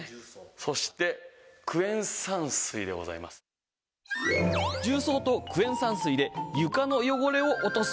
そしてクエン酸水でございます。